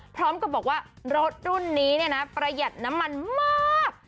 พร้อมกับบอกว่ารถรุ่นนี้เนี่ยนะประหยัดน้ำมันมาก